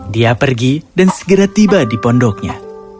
dia pergi dan segera tiba di pondoknya